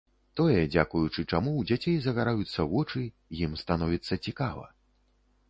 Тое, дзякуючы чаму ў дзяцей загараюцца вочы, ім становіцца цікава.